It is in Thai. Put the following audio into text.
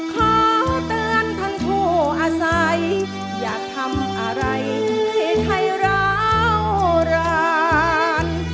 ขอเตือนทั้งผู้อาศัยอยากทำอะไรให้ร้าวร้าน